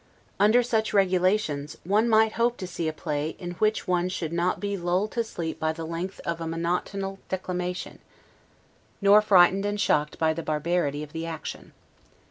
Under such regulations one might hope to see a play in which one should not be lulled to sleep by the length of a monotonical declamation, nor frightened and shocked by the barbarity of the action.